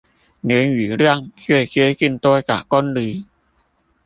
年雨量最接近多少公釐？